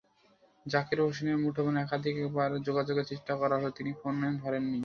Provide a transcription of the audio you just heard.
জাকির হোসেনের মুঠোফোনে একাধিকবার যোগাযোগের চেষ্টা করা হলেও তিনি ফোন ধরেননি।